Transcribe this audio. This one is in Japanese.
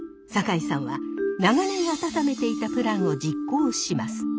酒井さんは長年温めていたプランを実行します。